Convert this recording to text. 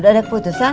udah ada keputusan